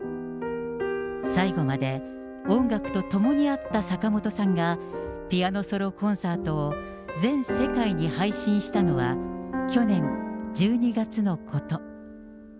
最後まで音楽と共にあった坂本さんが、ピアノソロコンサートを全世界に配信したのは、去年１２月のこと。